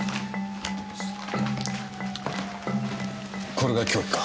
これが凶器か？